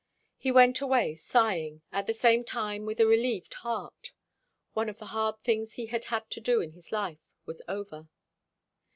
He went away sighing, at the same time with a relieved heart. One of the hard things he had had to do in his life, was over.